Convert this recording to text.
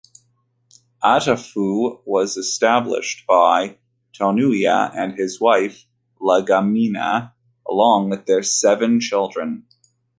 Atafu was established by Tonuia and his wife Lagimaina, along with their seven children.